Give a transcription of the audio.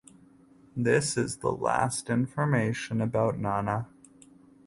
This is the last information about Nana.